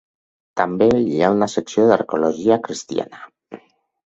També hi ha una secció d'arqueologia cristiana.